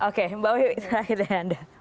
oke mbak wimit terakhir dari anda